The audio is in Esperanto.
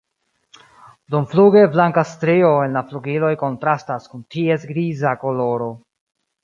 Dumfluge blanka strio en la flugiloj kontrastas kun ties griza koloro.